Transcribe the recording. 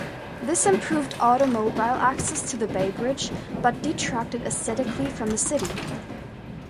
This improved automobile access to the Bay Bridge, but detracted aesthetically from the city.